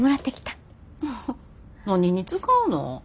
何に使うの？